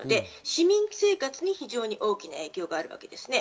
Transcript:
市民生活に非常に大きな影響があります。